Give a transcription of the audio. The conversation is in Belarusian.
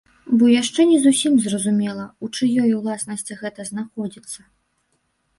Бо яшчэ не зусім зразумела, у чыёй уласнасці гэта знаходзіцца.